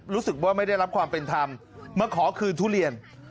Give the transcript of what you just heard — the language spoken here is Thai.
รู้สึกว่าไม่ได้รับความเป็นธรรมมาขอคืนทุเรียน